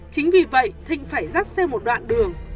chính vì vậy thịnh phải dắt xem một đoạn đường